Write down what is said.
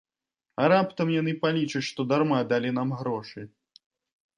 А раптам яны палічаць, што дарма далі нам грошы?